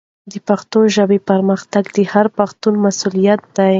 د پښتو ژبې پرمختګ د هر پښتون مسؤلیت دی.